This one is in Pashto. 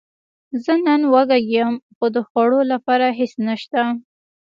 زه نن وږی یم، خو د خوړلو لپاره هیڅ نشته